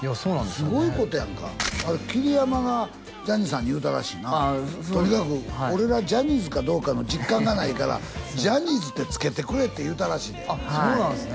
すごいことやんかあれ桐山がジャニーさんに言うたらしいなとにかく俺らジャニーズかどうかの実感がないからジャニーズって付けてくれって言うたらしいであっそうなんすね